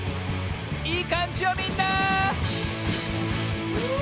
いいかんじよみんな！